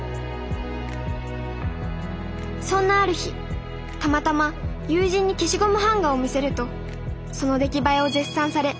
そんなある日たまたま友人に消しゴム版画を見せるとその出来栄えを絶賛され